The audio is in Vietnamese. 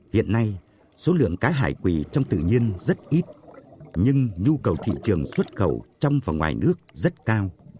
hiện nay số lượng cá hải quỳ trong tự nhiên rất ít nhưng nhu cầu thị trường xuất khẩu trong và ngoài nước rất cao